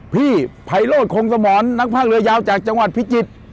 พี่ไพโรธคงสมรนักภาคเรือยาวจากจังหวัดพิจิตร